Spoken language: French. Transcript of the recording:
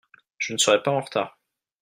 Je ne serai pas en retard.